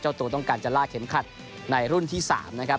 ตัวต้องการจะลากเข็มขัดในรุ่นที่๓นะครับ